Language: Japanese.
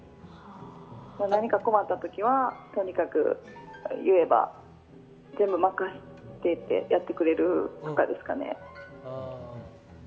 何か困った時は、とにかく言えば全部任せてやってくれるところですかね。